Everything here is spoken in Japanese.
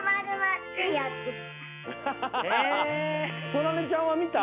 そらねちゃんはみた？